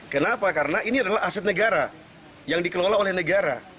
kenapa karena ini adalah aset negara yang dikelola oleh negara